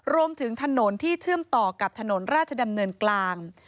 รวมถึงถนนที่เชื่อมต่อกับถนนราชดำเนินกลาง